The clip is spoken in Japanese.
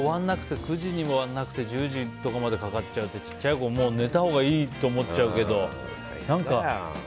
９時に終わらなくて１０時とかまでかかっちゃうと小さい子、もう寝たほうがいいって思っちゃうけど。